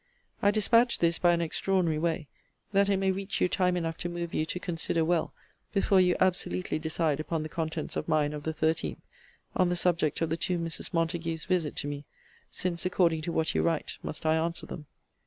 I dispatch this by an extraordinary way, that it may reach you time enough to move you to consider well before you absolutely decide upon the contents of mine of the 13th, on the subject of the two Misses Montague's visit to me; since, according to what you write, must I answer them.